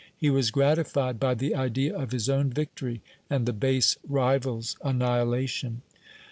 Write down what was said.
He was gratified by the idea of his own victory, and the base rival's annihilation.